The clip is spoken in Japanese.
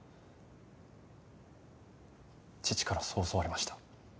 父からそう教わりました。